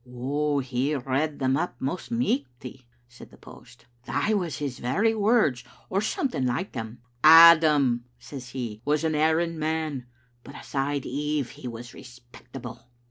"fle redd them up most michty," said the post "Thae was his very words or something like them. 'Adam,' says he, 'was an erring man, but aside Eve he was respectable.